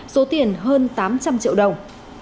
số tiền hơn tám trăm linh triệu đồng